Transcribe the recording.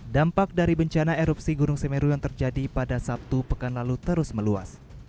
dampak dari bencana erupsi gunung semeru yang terjadi pada sabtu pekan lalu terus meluas